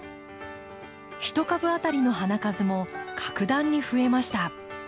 一株当たりの花数も格段に増えました。